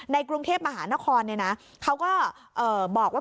กรุงเทพมหานครเขาก็บอกว่า